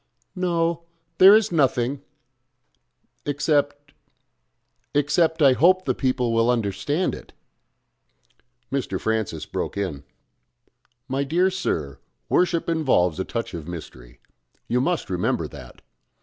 "No there is nothing except ... except I hope the people will understand it." Mr. Francis broke in. "My dear sir, worship involves a touch of mystery. You must remember that.